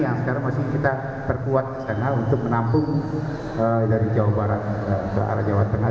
yang sekarang masih kita perkuat di sana untuk menampung dari jawa barat ke arah jawa tengah